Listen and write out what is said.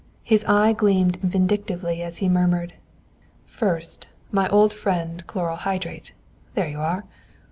His eye gleamed vindictively as he murmured: "First, my old friend chloral hydrate there you are.